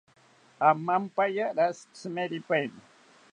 Amampaya rashi tsimeripaini